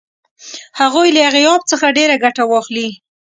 هغوی له غیاب څخه ډېره ګټه واخلي.